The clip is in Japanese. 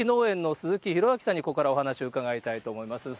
鈴木農園の鈴木弘晃さんにここからはお話伺いたいと思います。